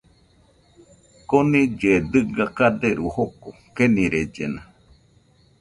Konillɨe dɨga kaderu joko, kenirellena.